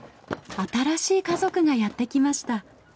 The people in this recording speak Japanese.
新しい家族がやってきました。